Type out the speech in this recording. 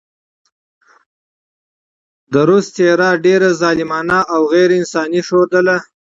د روس څهره ډېره ظالمانه او غېر انساني ښودله.